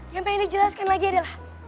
yang pengen dijelaskan lagi adalah